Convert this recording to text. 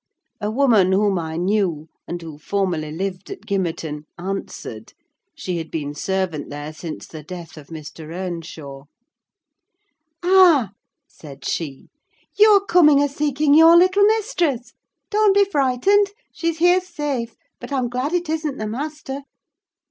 A woman whom I knew, and who formerly lived at Gimmerton, answered: she had been servant there since the death of Mr. Earnshaw. "Ah," said she, "you are come a seeking your little mistress! Don't be frightened. She's here safe: but I'm glad it isn't the master."